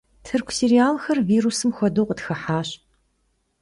Тырку сериалхэр вирусым хуэдэу къытхыхьащ.